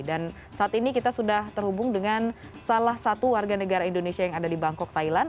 dan saat ini kita sudah terhubung dengan salah satu warga negara indonesia yang ada di bangkok thailand